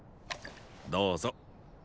どうぞ。